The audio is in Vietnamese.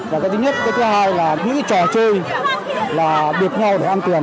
và cái thứ nhất cái thứ hai là những cái trò chơi là được nhau để an toàn